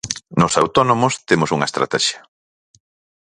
Nos autónomos temos unha estratexia.